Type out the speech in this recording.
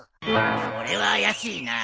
それは怪しいな。